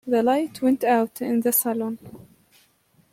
The light went out in the salon.